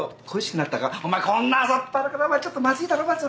こんな朝っぱらからお前ちょっとまずいだろ。